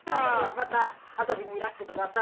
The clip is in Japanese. また遊びにいらしてください。